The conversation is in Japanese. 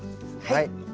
はい。